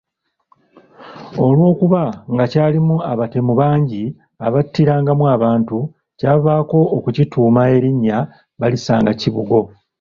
Olw’okuba nga kyalimu abatemu bangi abattirangamu abantu, kyavaako okukituuma erinnya Balisangakibugo.